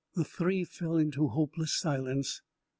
The three fell into hopeless silence.